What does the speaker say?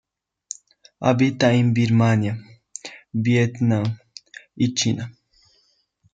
Habita en Birmania, Vietnam y China.